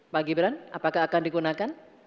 pak gibran apakah akan digunakan